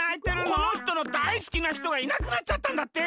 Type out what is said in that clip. このひとのだいすきなひとがいなくなっちゃったんだって！